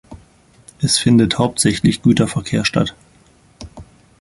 Es findet hauptsächlich Güterverkehr statt.